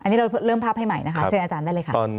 อันนี้เราเริ่มภาพให้ใหม่นะคะเชิญอาจารย์ได้เลยค่ะ